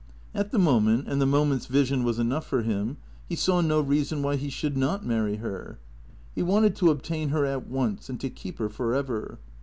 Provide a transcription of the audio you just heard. At the moment, and the moment's vision was enough for him, he saw no reason why he should not marry her. He wanted to obtain her at once and to keep her for ever.